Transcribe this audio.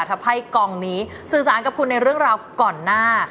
ทำให้กองนี้สื่อสารกับคุณในเรื่องราวก่อนหน้า